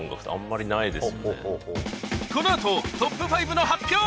この後トップ５の発表！